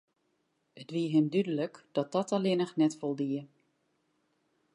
It wie him dúdlik dat dat allinne net foldie.